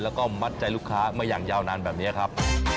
แล้วก็มัดใจลูกค้ามาอย่างยาวนานแบบนี้ครับ